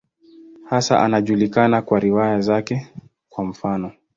Hasa anajulikana kwa riwaya zake, kwa mfano.